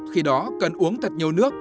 khi đó cần uống thật nhiều nước